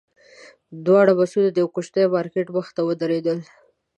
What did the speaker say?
دواړه بسونه د یوه کوچني مارکېټ مخې ته ودرېدل.